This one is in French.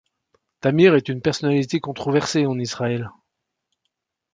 Tamir est une personnalité controversée en Israël.